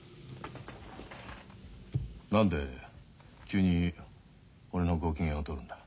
何で急に俺のご機嫌を取るんだ。